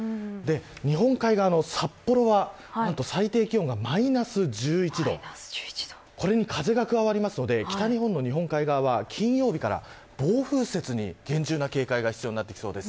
日本海側の札幌は何と、最低気温がマイナス１１度これに風が加わりますので北日本の日本海側は金曜日から暴風雪に厳重な警戒が必要となりそうです。